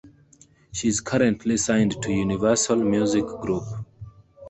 She is currently signed to Universal Music Group.